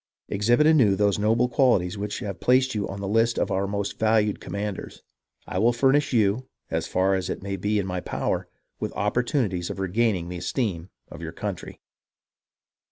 Exhibit anew those noble qualities which have placed you on the list of our most valued commanders. I will furnish you, as far as it may be in my power, with opportunities of regaining the esteem of your country."